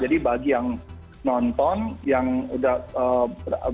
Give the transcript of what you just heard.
jadi bagi yang nonton yang udah berapa ribu itu